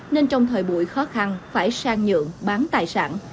nên trong thời buổi khó khăn phải sang nhượng bán tài sản